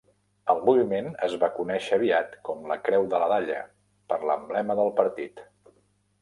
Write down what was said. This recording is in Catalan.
El moviment es va conèixer aviat com la Creu de la Dalla per l'emblema del partit.